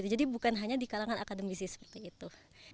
jadi bukan hanya di kalangan akademisi seperti itu